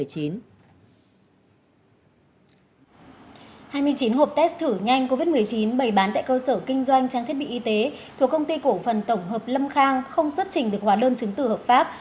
hai mươi chín hộp test thử nhanh covid một mươi chín bày bán tại cơ sở kinh doanh trang thiết bị y tế thuộc công ty cổ phần tổng hợp lâm khang không xuất trình được hóa đơn chứng tử hợp pháp